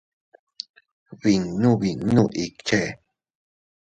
Binnu binnu ikche.